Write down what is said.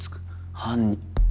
「犯人」。